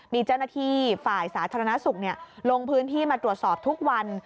มีเจ้าหน้าที่ฝ่ายสาธารณสุขลงพื้นที่มาตรวจสอบทุกวัน